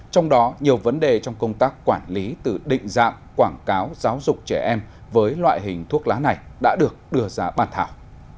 trong đó nhiều vấn đề trong công tác quản lý từ định dạng quảng cáo giáo dục trẻ em với loại hình thuốc lá này đã được đưa ra bàn thảo